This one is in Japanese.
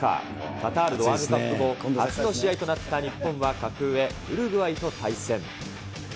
カタールのワールドカップ後、初の試合となった日本は、格上、ウルグアイと対戦。